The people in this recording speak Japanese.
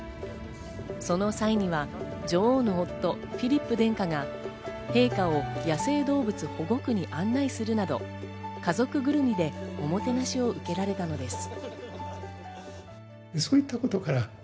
その際には女王の夫・フィリップ殿下が陛下を野生動物保護区に案内するなど、家族ぐるみでおもてなしを受けられたのです。